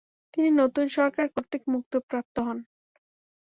তিনি নতুন সরকার কর্তৃক মুক্তিপ্রাপ্ত হন।